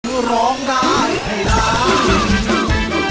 คือร้องได้ให้ร้าน